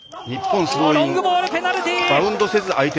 ロングボールペナルティー。